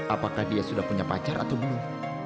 apakah dia sudah punya pacar atau belum